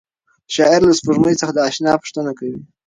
شاعر له سپوږمۍ څخه د اشنا پوښتنه کوي.